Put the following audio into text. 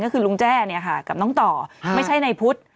ก็คือลุงแจ้เนี่ยค่ะกับน้องต่อไม่ใช่ในพุทธ